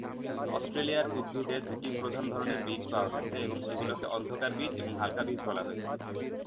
অস্ট্রেলিয়ার উদ্ভিদে দুটি প্রধান ধরনের বীজ পাওয়া গেছে এবং এগুলোকে 'অন্ধকার বীজ' এবং 'হালকা বীজ' বলা হয়েছে।